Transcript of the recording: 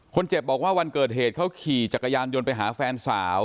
คนเจ็บบอกว่าวันเกิดเหตุเขาขี่จักรยานยนต์ไปหาแฟนสาว